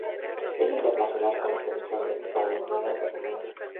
Es internacional con la selección de balonmano de Rumania.